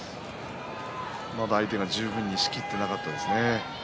まだ相手が十分に仕切っていなかったですね。